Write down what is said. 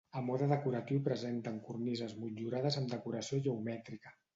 A mode decoratiu presenten cornises motllurades amb decoració geomètrica.